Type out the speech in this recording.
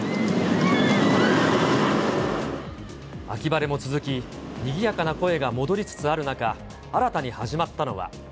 秋晴れも続き、にぎやかな声が戻りつつある中、新たに始まったのは。